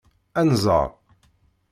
Ad nẓeṛ.